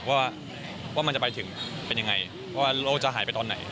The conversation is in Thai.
ว่ามันจะไปถึงเป็นยังไงว่าโลกจะหายไปตอนไหน